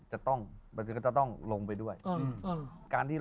หัวก็เลยฟาด